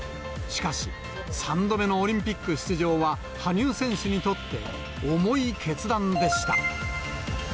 しかし、３度目のオリンピック出場は羽生選手にとって、重い決断でした。